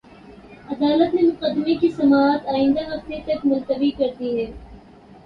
عدالت نے مقدمے کی سماعت آئندہ ہفتے تک ملتوی کر دی ہے